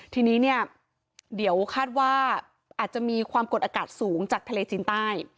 ทีนี้เนี่ยเดี๋ยวคาดว่าอาจจะมีความกดอากาศสูงจากทะเลจีนใต้